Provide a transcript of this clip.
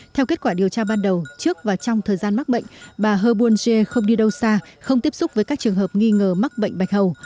theo kết quả điều tra ban đầu trước và trong thời gian mắc bệnh bà hơ buôn dê không đi đâu xa không tiếp xúc với các trường hợp nghi ngờ mắc bệnh bạch hầu